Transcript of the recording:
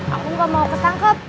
aku gak mau ketangkep